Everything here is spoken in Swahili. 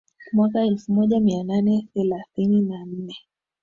mwaka elfu moja mia nane thelathini na nne